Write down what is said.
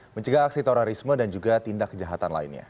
mencegah aksi terorisme dan juga tindak kejahatan lainnya